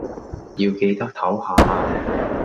要記得抖下呀